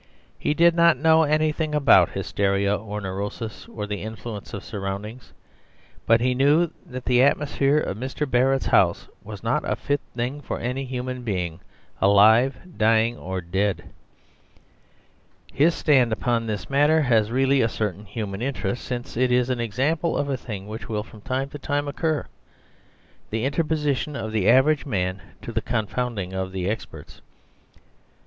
He did not know anything about hysteria or neurosis, or the influence of surroundings, but he knew that the atmosphere of Mr. Barrett's house was not a fit thing for any human being, alive, dying, or dead. His stand upon this matter has really a certain human interest, since it is an example of a thing which will from time to time occur, the interposition of the average man to the confounding of the experts.